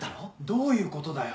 どういうことだよ？